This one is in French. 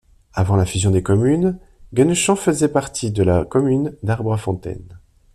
Avant la fusion des communes, Gernechamps faisait partie de la commune d'Arbrefontaine.